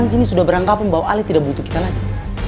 ini kawan kawan sudah berangkap bahwa ale tidak butuh kita lagi